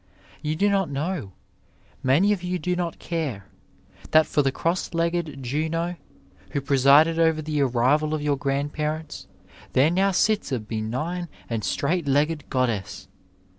Tou do not know, many of you do not care, that for the cross legged Juno who presided over the arrival of your gxandparents, there now sits a benign and straight legged goddess.